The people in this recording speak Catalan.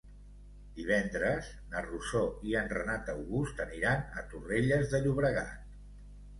Divendres na Rosó i en Renat August aniran a Torrelles de Llobregat.